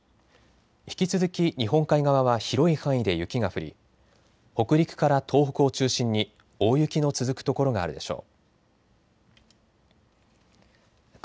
引き続き日本海側は広い範囲で雪が降り北陸から東北を中心に大雪の続く所があるでしょう。